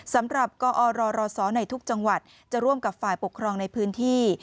สำหรับกอรศในทุกจังหวัดจะร่วมกับฝ่ายปกครองในพื้นที่